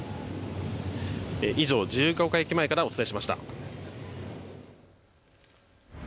以上、自由が丘駅前からお伝えしました。